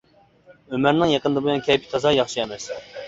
ئۆمەرنىڭ يېقىندىن بۇيان كەيپى تازا ياخشى ئەمەس.